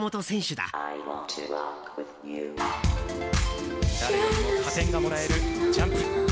誰よりも加点がもらえるジャンプ。